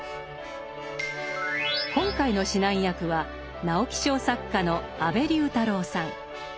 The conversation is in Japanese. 今回の指南役は直木賞作家の安部龍太郎さん。